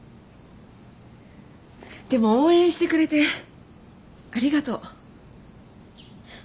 でも応援してくれてありがとう。